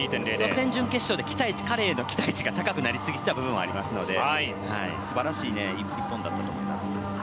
予選、準決勝で彼への期待値が高くなりすぎていた部分もありますので素晴らしい１本だったと思います。